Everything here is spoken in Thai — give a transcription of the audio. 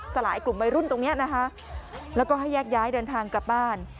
สลายกลุ่มวัยรุ่นตรงนี้นะคะแล้วก็ให้แยกย้ายเดินทางกลับบ้าน